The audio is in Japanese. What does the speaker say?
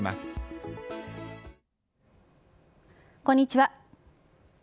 こんにちは。